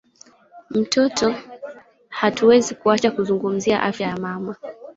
mtoto hatuwezi kuacha kuzungumzia afya ya mama